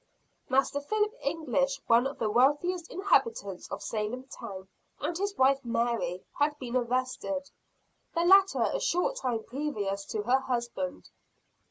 Master Philip English, one of the wealthiest inhabitants of Salem town, and his wife Mary, had been arrested the latter a short time previous to her husband.